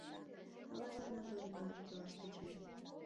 Аважланат Орина ӧпкелаш тӧчен: